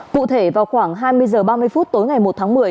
cụ thể vào khoảng hai mươi h ba mươi phút tối ngày một tháng một mươi